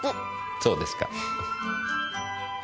そうですか。